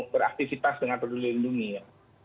beraktivitas dengan peduli lindungi ya